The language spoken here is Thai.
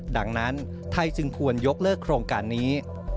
ดังนั้นไทยจึงควรยกเลิกโครงการนี้